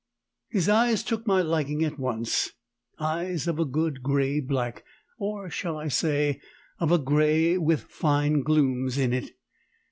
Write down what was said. His eyes took my liking at once; eyes of a good grey black or, shall I say, of a grey with fine glooms in it.